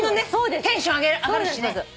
テンション上がるしね。